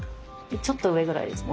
ちょっと上ぐらいですね。